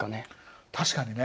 確かにね。